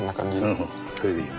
うんそれでいい。